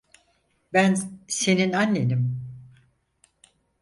Ben senin annenim.